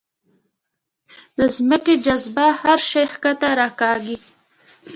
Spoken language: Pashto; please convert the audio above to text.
د ځمکې جاذبه هر شی ښکته راکاږي.